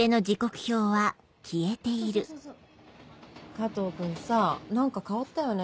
加藤君さ何か変わったよね